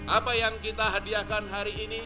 apa yang kita hadiahkan hari ini